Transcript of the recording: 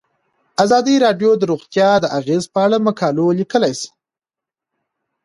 ازادي راډیو د روغتیا د اغیزو په اړه مقالو لیکلي.